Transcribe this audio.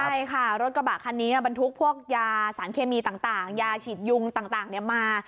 ใช่ค่ะรถกระบะคันนี้บรรทุกพวกยาสารเคมีต่างยาฉีดยุงต่างมา